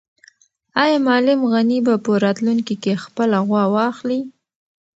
آیا معلم غني به په راتلونکي کې خپله غوا واخلي؟